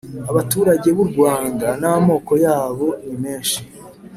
abaturage b'u rwanda n’amoko yabo nimenshi